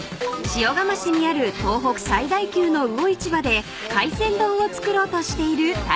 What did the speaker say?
［塩竈市にある東北最大級の魚市場で海鮮丼を作ろうとしている太一さん］